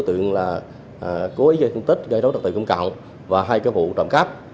đối tượng là cố ý gây thương tích gây dối trực tự công cộng và hai cái vụ trụng cấp